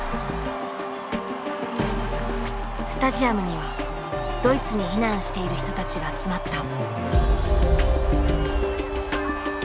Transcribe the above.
スタジアムにはドイツに避難している人たちが集まった。